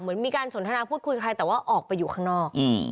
เหมือนมีการสนทนาพูดคุยกับใครแต่ว่าออกไปอยู่ข้างนอก